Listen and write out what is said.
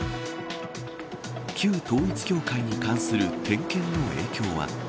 旧統一教会に関する点検の影響は。